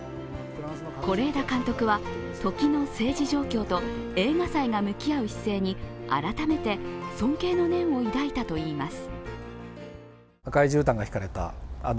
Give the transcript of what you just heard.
是枝監督は、時の政治状況と映画祭が向き合う姿勢に、改めて尊敬の念を抱いたといいます。